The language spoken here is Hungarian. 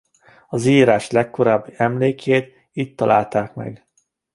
Az írás legkorábbi emlékét itt találták meg.